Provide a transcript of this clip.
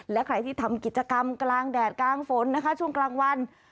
และใครที่ทำกิจกรรมกลางแดดกลางฝนนะคะช่วงกลางวัน